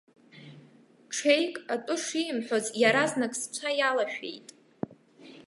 Ҽеик атәы шимҳәоз иаразнак сцәа иалашәеит.